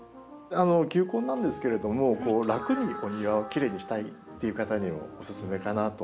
球根なんですけれども楽にお庭をきれいにしたいっていう方にもおすすめかなと思うんですね。